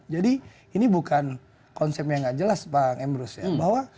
jadi ini bukan konsep yang tidak jelas pak embrus ya